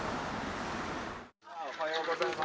おはようございます。